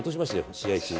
試合中に。